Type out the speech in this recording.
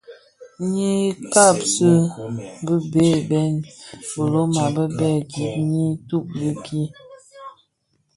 Ňyi kabsi bë bëë dèm bilona bibèè gib nyi tum dhiki.